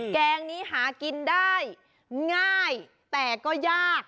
แกงนี้หากินได้ง่ายแต่ก็ยาก